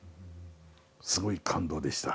すごい感動でした。